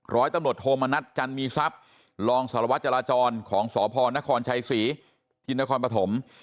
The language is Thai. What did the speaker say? ร้อยตำรวจโทมนัดจันมีทรัพย์รองสารวัตรจราจรของสพนครชัยศรีที่นครปฐม